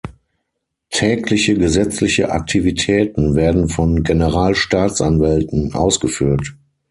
Tägliche gesetzliche Aktivitäten werden von Generalstaatsanwälten ausgeführt.